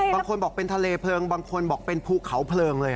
บางคนบอกเป็นทะเลเพลิงบางคนบอกเป็นภูเขาเพลิงเลย